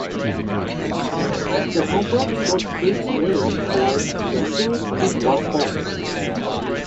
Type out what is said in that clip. The complex got its name from the street it was on.